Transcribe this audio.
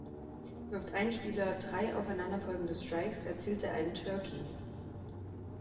Wirft ein Spieler drei aufeinanderfolgende Strikes, erzielt er einen "Turkey".